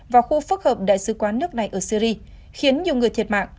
vào khu phức hợp đại sứ quán nước này ở syri khiến nhiều người thiệt mạng